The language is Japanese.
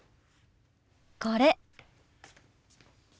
これ。